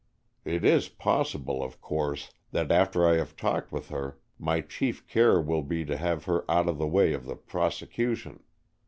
It is possible, of course, that after I have talked with her my chief care will be to have her out of the way of the prosecution.